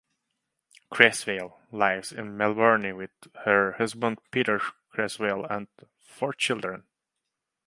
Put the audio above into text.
Creswell lives in Melbourne with her husband Peter Creswell and four children.